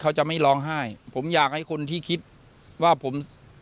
เขาจะไม่ร้องไห้ผมอยากให้คนที่คิดว่าผม